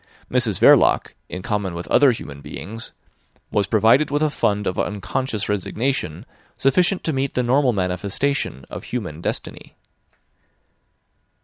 Mrs Verloc, in common with other human beings, was provided with a fund of unconscious resignation sufficient to meet the normal manifestation of human destiny.